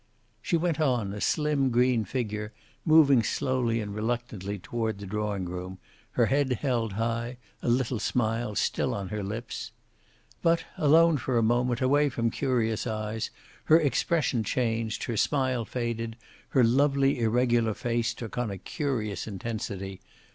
She went on, a slim green figure, moving slowly and reluctantly toward the drawing room, her head held high, a little smile still on her lips. But, alone for a moment, away from curious eyes, her expression changed, her smile faded, her lovely, irregular face took on a curious intensity.